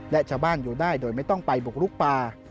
และชาวบ้านอยู่ได้โดยไม่ต้องไปบุกลุกป่า